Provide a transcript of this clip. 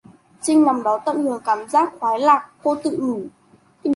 Chinh nằm đó tận hưởng cảm giác khoái lạc cô tự nhủ